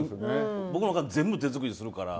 僕のおかん、全部手作りするから。